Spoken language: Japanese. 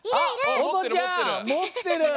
おとちゃんもってる！